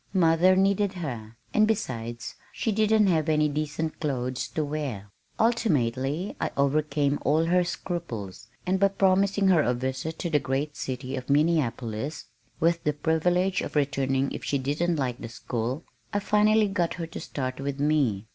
Mother needed her, and besides she didn't have any decent clothes to wear. Ultimately I overcame all her scruples, and by promising her a visit to the great city of Minneapolis (with the privilege of returning if she didn't like the school) I finally got her to start with me.